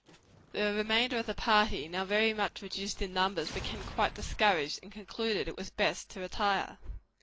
The remainder of the party, now very much reduced in numbers, became quite discouraged, and concluded it was best to retire.